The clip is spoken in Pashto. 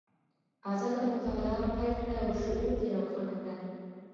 ازاده مطالعه پیل کړه او شعور دې روښانه کړه.